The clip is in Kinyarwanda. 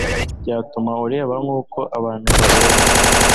byatuma ureba nk'uko abantu bareba